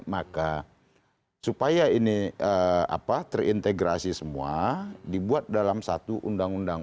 maka supaya ini terintegrasi semua dibuat dalam satu undang undang